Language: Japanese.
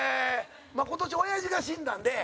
今年、おやじが死んだんで。